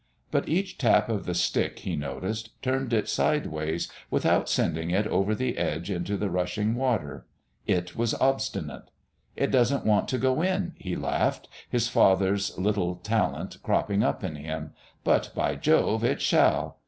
But each tap of the stick, he noticed, turned it sideways without sending it over the edge into the rushing water. It was obstinate. "It doesn't want to go in," he laughed, his father's little talent cropping out in him, "but, by Jove, it shall!"